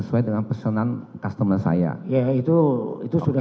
saya akan mencoba untuk mencoba